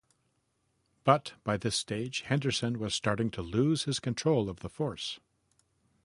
But, by this stage, Henderson was starting to lose his control of the force.